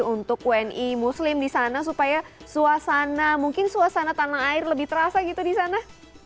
untuk wni muslim di sana supaya suasana mungkin suasana tanah air lebih terasa gitu di sana